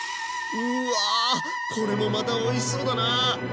うわこれもまたおいしそうだな！